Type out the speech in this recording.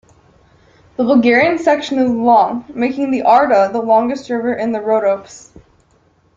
The Bulgarian section is long, making the Arda the longest river in the Rhodopes.